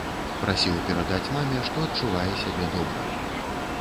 Прасіў перадаць маме, што адчувае сябе добра.